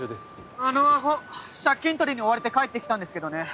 あのアホ借金取りに追われて帰って来たんですけどね。